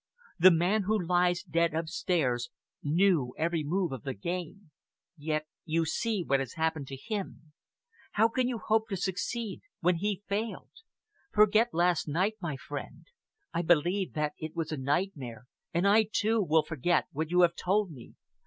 The man who lies dead upstairs knew every move of the game yet you see what has happened to him. How can you hope to succeed when he failed? Forget last night, my friend! I Believe that it was a nightmare, and I, too, will forget what you have told me.